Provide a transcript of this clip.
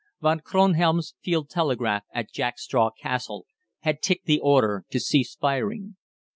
Von Kronhelm's field telegraph at Jack Straw's Castle had ticked the order to cease firing.